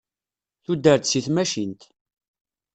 Tuder-d seg tmacint.